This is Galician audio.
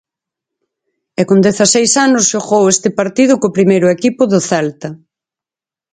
E con dezaseis anos xogou este partido co primeiro equipo do Celta.